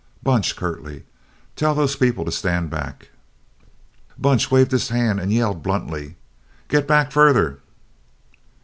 "Bunch," curtly, "tell those people to stand back." Bunch waved his hand and yelled bluntly: "Git back furderer!"